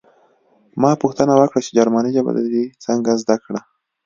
ما پوښتنه وکړه چې جرمني ژبه دې څنګه زده کړه